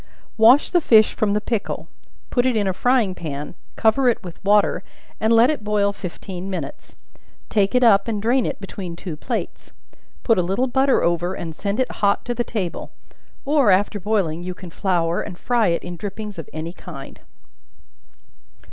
Wash the fish from the pickle; put it in a frying pan; cover it with water, and let it boil fifteen minutes; take it up and drain it between two plates; put a little butter over and send it hot to the table: or, after boiling, you can flour, and fry it in drippings of any kind.